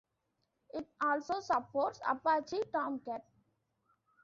It also supports Apache Tomcat.